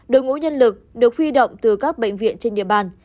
đội ngũ nhân lực được huy động từ các bệnh viện trên địa bàn